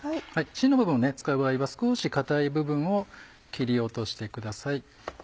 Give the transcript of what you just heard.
芯の部分を使う場合は少し硬い部分を切り落としてください。